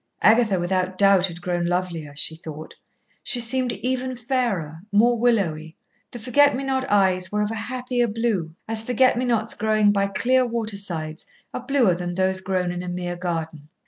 Agatha without doubt had grown lovelier, she thought; she seemed even fairer, more willowy, the forget me not eyes were of a happier blue, as forget me nots growing by clear water sides are bluer than those grown in a mere garden.